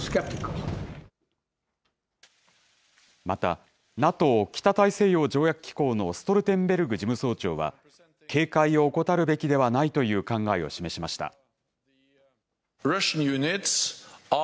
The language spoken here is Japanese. また、ＮＡＴＯ・北大西洋条約機構のストルテンベルグ事務総長は、警戒を怠るべきではないという考えを示しました。